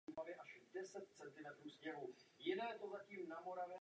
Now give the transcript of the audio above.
V letní sezóně operuje charterové lety z Turecka a Nizozemska do celé Evropy.